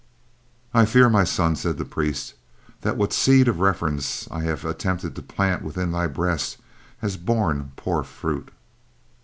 "I fear, my son," said the priest, "that what seed of reverence I have attempted to plant within thy breast hath borne poor fruit."